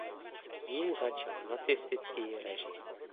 Tím začal nacistický režim.